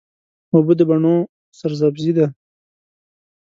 اوبه د بڼو سرسبزي ده.